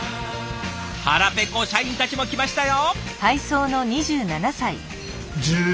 腹ぺこ社員たちも来ましたよ！